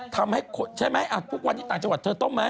ทำให้ใช่ไหมทุกวันนี้ต่างจังหวัดเธอต้มไหม